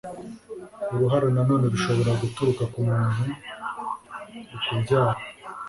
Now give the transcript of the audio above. Uruhara nanone rushobora guturuka ku muntu ukubyara